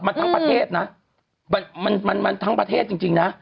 มันทั้งประเทศนะมันมันทั้งประเทศจริงนะ